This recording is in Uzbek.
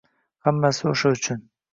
Hammasi o‘sha uchun